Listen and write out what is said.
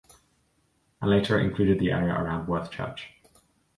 And later it included the area around Worth church.